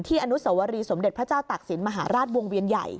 อนุสวรีสมเด็จพระเจ้าตักศิลปมหาราชวงเวียนใหญ่